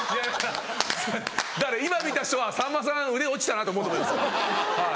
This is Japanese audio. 今見た人はさんまさん腕落ちたなと思うと思いますよ。